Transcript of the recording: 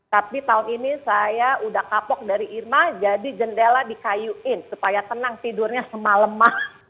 tapi tahun ini saya udah kapok dari irma jadi jendela dikayuin supaya tenang tidurnya semalemah